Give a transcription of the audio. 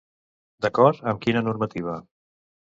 D'acord amb quina normativa?